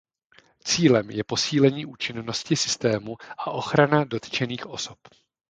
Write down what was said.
Cílem je posílení účinnosti systému a ochrana dotčených osob.